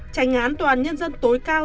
tranh án toàn nhân dân tối cao